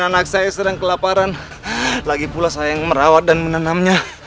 anak saya sedang kelaparan lagi pula saya yang merawat dan menanamnya